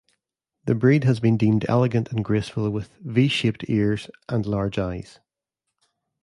The breed has been deemed elegant and graceful with V-shaped ears and large eyes.